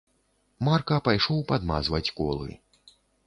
Марка пайшоў падмазваць колы.